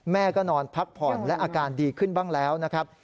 แม่ก็นอนพักผ่อนและอาการดีขึ้นบ้างแล้วนะครับ